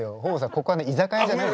ここはね居酒屋じゃないのよ。